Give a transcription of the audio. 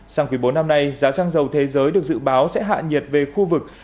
sáng quý bốn năm nay giá xăng dầu thế giới được dự báo sẽ hạ nhiệt về khu vực